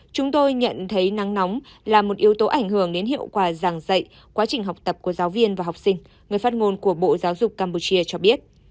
chúng tôi nhận thấy nắng nóng là một yếu tố ảnh hưởng đến hiệu quả giảng dạy quá trình học tập của giáo viên và học sinh người phát ngôn của bộ giáo dục campuchia cho biết